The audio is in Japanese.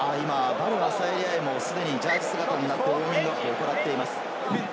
ヴァル・アサエリ愛もジャージー姿になってウオーミングアップを行っています。